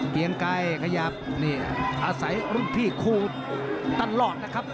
เกียงไกรขยับนี่อาศัยรุ่นพี่คู่ตลอดนะครับ